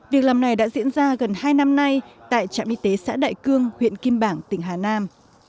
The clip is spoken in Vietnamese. việc làm này đã diễn ra gần hai năm nay tại trạm y tế xã đại cương huyện kim bảng tỉnh hà nam